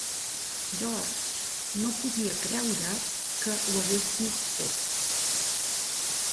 George, no podia creure que ho haguessis fet!